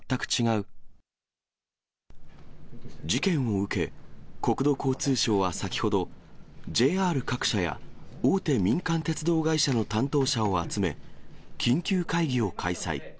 事件を受け、国土交通省は先ほど、ＪＲ各社や大手民間鉄道会社の担当者を集め、緊急会議を開催。